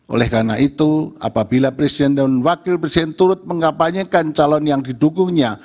oleh karena itu apabila presiden dan wakil presiden turut mengkapanyekan calon yang didukungnya